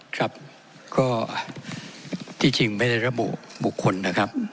ครับก็ที่จริงไม่ได้ระบุบุคคลนะครับ